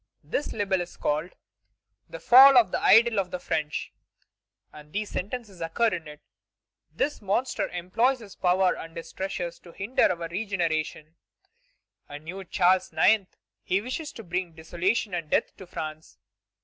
This libel is called, 'The Fall of the Idol of the French,' and these sentences occur in it: 'This monster employs his power and his treasures to hinder our regeneration. A new Charles IX., he wishes to bring desolation and death to France.